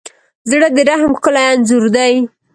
زړه د رحم ښکلی انځور دی.